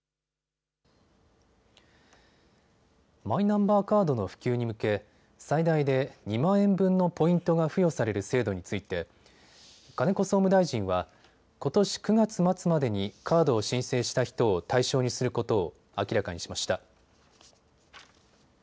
マイナンバーカードの普及に向け最大で２万円分のポイントが付与される制度について金子総務大臣はことし９月末までにカードを申請した人を対象にすることを明らかにしました。